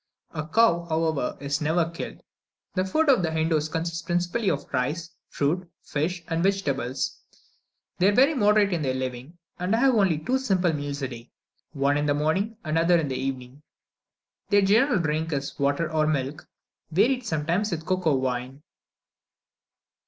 A cow, however, is never killed. The food of the Hindoos consists principally of rice, fruit, fish, and vegetables. They are very moderate in their living, and have only two simple meals a day one in the morning and the other in the evening. Their general drink is water or milk, varied sometimes with cocoa wine.